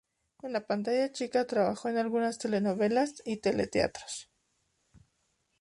En la pantalla chica trabajó en algunas telenovelas y teleteatros.